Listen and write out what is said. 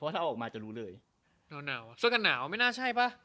เสื้อกันหน่าวไม่น่าใช่ป่ะ